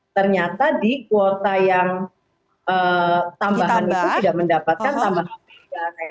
ternyata di kuota yang tambahan itu tidak mendapatkan tambahan tiga